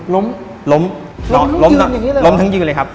ล้มล้มทั้งยืนอย่างนี้หรออเจมส์ล้มทั้งยืนเลยครับ